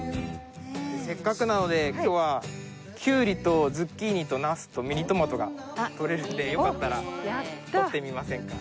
せっかくなので今日はキュウリとズッキーニとナスとミニトマトがとれるのでよかったらとってみませんか？